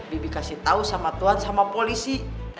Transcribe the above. bibik kasih tau sama tuan sama polisi